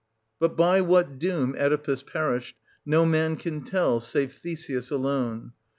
But by what doom Oedipus perished, no man can tell, save Theseus alone.